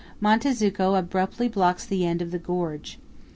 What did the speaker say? Monte Zucco abruptly blocks the end of the gorge.